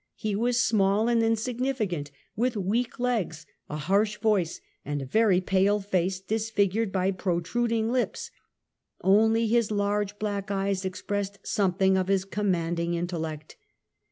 He was small and insignificant, with weak legs, a harsh voice and a very pale face, disfigured by protruding lips ; only his large black eyes expressed something of his commanding intellect.